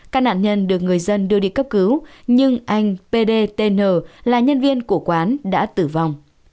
các nạn nhân được người dân đưa đi cấp cứu nhưng anh pdn là nhân viên của quán đã tử vong